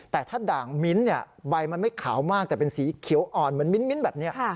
แต่ถ้าด่างมิ้นท์ใบมันไม่ขาวมากแต่เป็นสีเขียวอ่อนเหมือนมิ้นแบบนี้